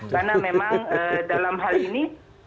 karena memang dalam hal ini